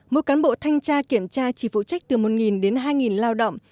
mỗi cán bộ thanh tra kiểm tra chỉ phụ trách từ một đến hai lao động